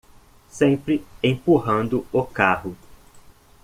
Sempre empurrando o carro